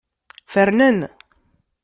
Fernen.